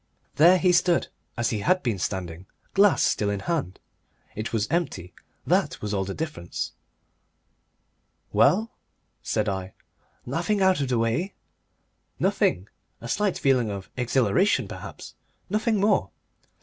There he stood as he had been standing, glass still in hand. It was empty, that was all the difference. "Well?" said I. "Nothing out of the way?" "Nothing. A slight feeling of exhilaration, perhaps. Nothing more."